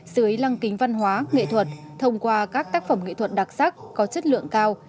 dưới lăng kính văn hóa nghệ thuật thông qua các tác phẩm nghệ thuật đặc sắc có chất lượng cao